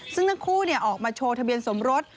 ซึ่งทั้งคู่ออกมาโชว์ทะเบียนสมรส